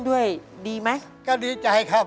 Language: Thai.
สวัสดีครับน้องเล่จากจังหวัดพิจิตรครับ